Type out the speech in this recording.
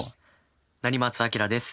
成松亮です。